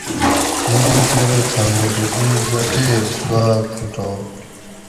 ملیک ارو تھہ موٹو ایں بٹیر سوا پھوٹا